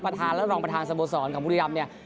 ประธานและน้องประธานสะโบสอนของบุรีรัมพ์เนี่ย